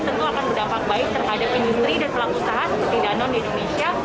tentu akan berdampak baik terhadap industri dan pelaku usaha seperti danon di indonesia